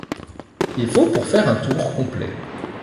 Il faut pour faire un tour complet.